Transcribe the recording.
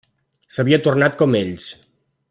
S’havia tornat com ells.